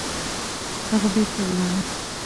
هغه بېرته ولاړه